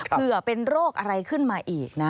เผื่อเป็นโรคอะไรขึ้นมาอีกนะ